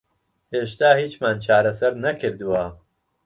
هێشتا هیچمان چارەسەر نەکردووە.